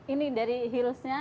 ini dari heelsnya